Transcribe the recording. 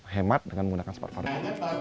hemat dengan menggunakan smart farming